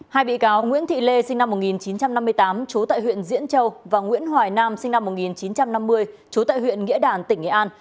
hai bị cáo nguyễn thị lê sinh năm một nghìn chín trăm năm mươi tám trú tại huyện diễn châu và nguyễn hoài nam sinh năm một nghìn chín trăm năm mươi chú tại huyện nghĩa đàn tỉnh nghệ an